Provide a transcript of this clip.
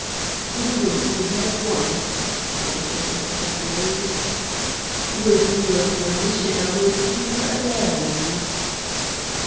"We will see her at once," he answered instantly. "With your permission, I will see her alone."